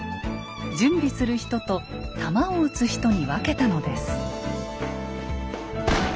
準備する人と弾を撃つ人に分けたのです。